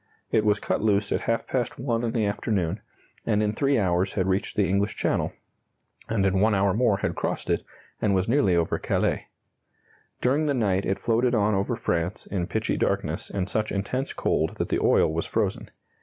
It was cut loose at half past one in the afternoon, and in 3 hours had reached the English Channel, and in 1 hour more had crossed it, and was nearly over Calais. During the night it floated on over France in pitchy darkness and such intense cold that the oil was frozen.